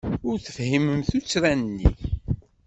Ur tefhim tuttra-nni.